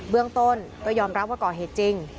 เรื่องต้นก็ยอมรับว่าก่อเหตุจริง